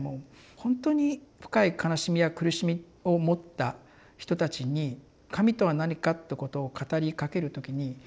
ほんとに深い悲しみや苦しみを持った人たちに「神とは何か」ってことを語りかける時に「神」という言葉は弱いっていうこと。